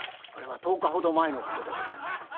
あれは十日ほど前のことでございます。